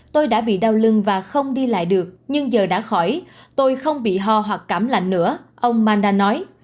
tôi đã bị đau lưng và không đi lại được nhưng giờ đã khỏi tôi không bị ho hoặc cảm lạnh nữa ông manda nói